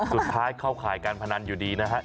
สุดท้ายเขาขายการพนันอยู่ดีนะฮะ